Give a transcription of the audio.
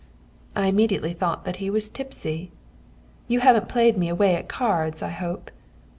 "I immediately thought that he was tipsy. "'You haven't played me away at cards, I hope?'